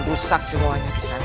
rusak semuanya kesana